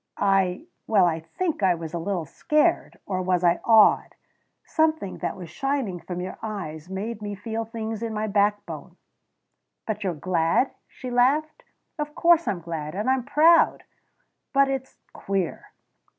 I well I think I was a little scared or was I awed? Something that was shining from your eyes made me feel things in my backbone." "But you're glad?" she laughed. "Of course I'm glad; and I'm proud. But it's queer."